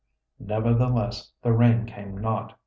Nevertheless, the rain came not.